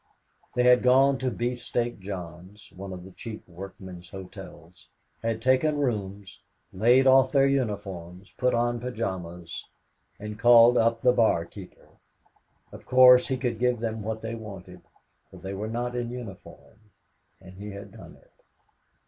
They had gone to Beefsteak John's, one of the cheap workmen's hotels, had taken rooms, laid off their uniforms, put on pajamas and called up the barkeeper. Of course he could give them what they wanted, for they were not in uniform! And he had done it.